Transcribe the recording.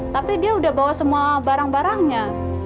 tapi dia udah bawa semua barang barangnya